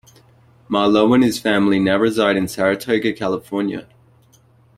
Marleau and his family now reside in Saratoga, California.